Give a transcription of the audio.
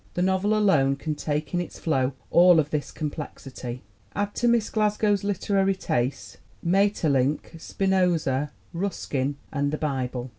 The novel alone can take in its flow all of this complexity." Add to Miss Glasgow's literary tastes Maeterlinck, Spinoza, Ruskin and the Bible.